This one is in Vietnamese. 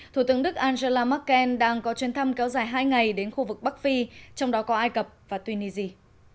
thủ tướng đức angela merkel đang có chuyến thăm kéo dài hai ngày đến khu vực bắc phi trong đó có ai cập và tunisia